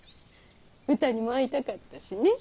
うたにも会いたかったしね。